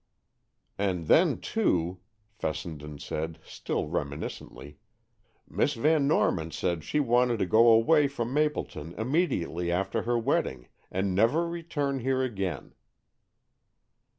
"And then, too," Fessenden said, still reminiscently, "Miss Van Norman said she wanted to go away from Mapleton immediately after her wedding, and never return here again."